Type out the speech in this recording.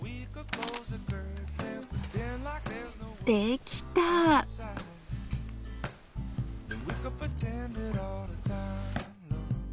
できたぁ。